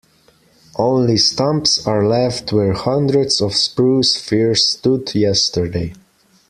Only stumps are left where hundreds of spruce firs stood yesterday.